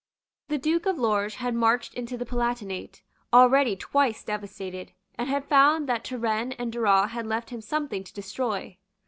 The Duke of Lorges had marched into the Palatinate, already twice devastated, and had found that Turenne and Duras had left him something to destroy.